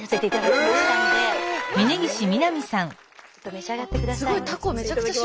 召し上がってください。